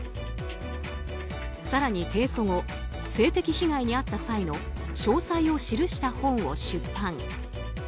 更に、提訴後性的被害に遭った際の詳細を記した本を出版。